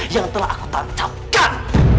yang telah aku tancapkan